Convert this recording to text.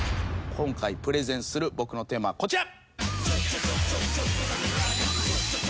今回プレゼンする僕のテーマはこちら。